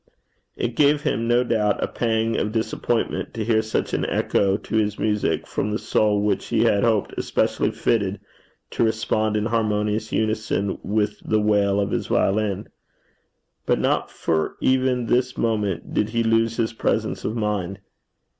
It gave him, no doubt, a pang of disappointment to hear such an echo to his music from the soul which he had hoped especially fitted to respond in harmonious unison with the wail of his violin. But not for even this moment did he lose his presence of mind.